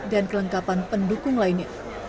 dan kelengkapan pendukung lainnya